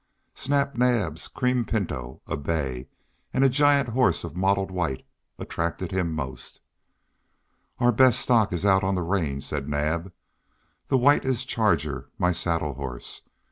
Snap Naab's cream pinto, a bay, and a giant horse of mottled white attracted him most. "Our best stock is out on the range," said Naab. "The white is Charger, my saddle horse.